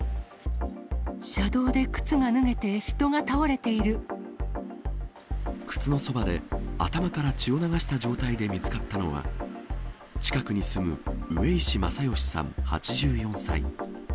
車道で靴が脱げて、人が倒れ靴のそばで、頭から血を流した状態で見つかったのは、近くに住む上石正義さん８４歳。